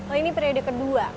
oh ini prioritas kedua